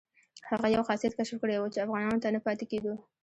هغه یو خاصیت کشف کړی وو چې افغانانو ته نه پاتې کېدو.